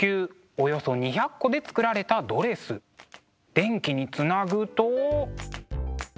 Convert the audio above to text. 電気につなぐと。